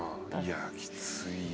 いやきつい。